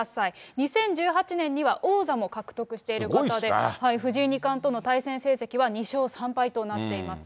２０１８年には王座も獲得している方で、藤井二冠との対戦成績は２勝３敗となっています。